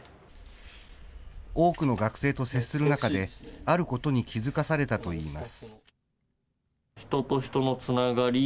多くの学生と接する中で、あることに気付かされたといいます。